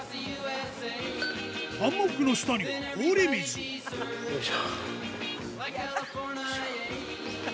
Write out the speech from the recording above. ハンモックの下には氷水よいしょ。